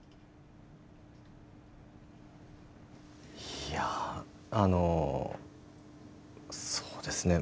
いやぁ、あのそうですね。